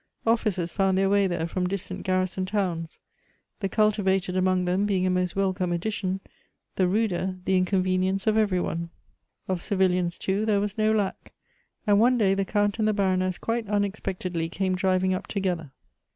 Officers found their way there from distant garrison towns ; the cultivated among them being a most wel come addition, the ruder the inconvenience of every one. Of civilians too there was no lack ; and one day the Count and the jBaroness quite unexpectedly came driving up together.